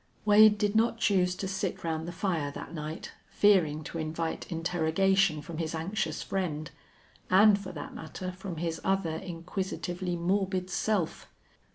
Wade did not choose to sit round the fire that night, fearing to invite interrogation from his anxious friend, and for that matter from his other inquisitively morbid self.